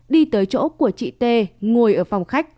đi tới chỗ của chị t ngồi ở phòng khách